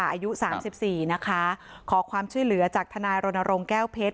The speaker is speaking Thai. อายุ๓๔นะคะขอความช่วยเหลือจากธนายโรนโรงแก้วเพชร